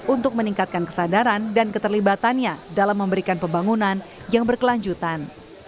untuk meningkatkan kesadaran dan keterlibatannya dalam memberikan pembangunan yang berkelanjutan